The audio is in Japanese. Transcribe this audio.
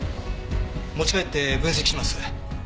持ち帰って分析します。